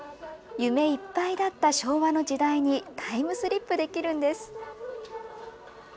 夢いっぱいだった昭和の時代に、タイムスリップできるんです。